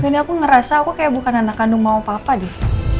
ini aku ngerasa aku kayak bukan anak kandung mau papa deh